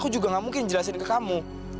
aku juga gak mungkin jelasin ke kamu